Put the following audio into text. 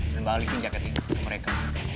dan balikin jaket ini ke mereka